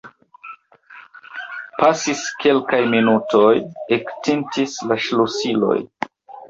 Pasis kelkaj minutoj; ektintis la ŝlosiloj.